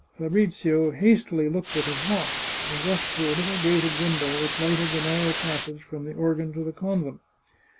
Fabrizio hastily looked at his watch, and rushed to a little grated window which lighted the narrow passage from the organ to the convent.